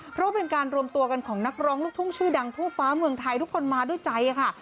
เพราะว่าเป็นการรวมตัวกันของนักร้องลูกทุ่งชื่อดังทั่วฟ้าเมืองไทยทุกคนมาด้วยใจค่ะ